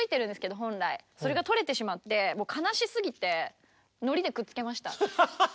それが取れてしまってもう悲しすぎてのりでくっつけました。